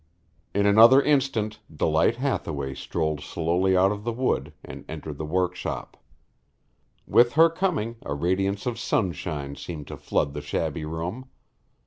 In another instant Delight Hathaway strolled slowly out of the wood and entered the workshop. With her coming a radiance of sunshine seemed to flood the shabby room.